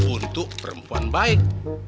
untuk perempuan baik